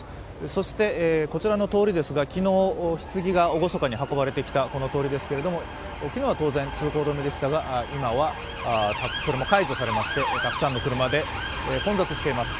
そしてこちらの通りですが、昨日、ひつぎが厳かに運ばれてきたこの通りですけど、昨日は当然、通行止めでしたが今はそれも解除されましてたくさんの車で混雑しています。